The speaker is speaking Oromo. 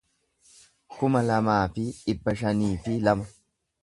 kuma lamaa fi dhibba shanii fi lama